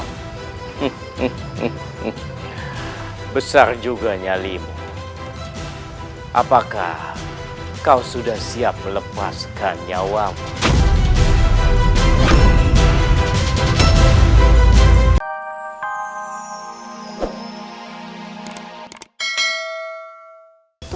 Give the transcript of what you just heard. hehehe besar juga nyalimu apakah kau sudah siap melepaskan nyawamu